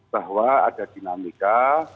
bahwa ada dinamika